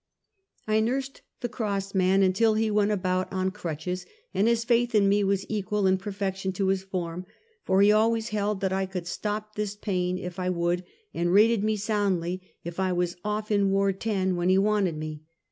I nursed the cross man until Le went about on crutches, and his faith in me was equal in perfection to his form, for he always held that I could " stop this pain " if I would, and rated me soundly if I was " off in ward Ten " when he wanted me.